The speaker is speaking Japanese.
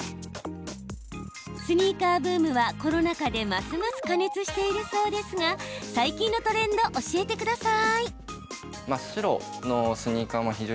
スニーカーブームは、コロナ禍でますます加熱しているそうですが最近のトレンド教えてください！